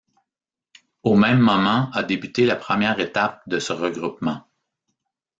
Au même moment a débuté la première étape de ce regroupement.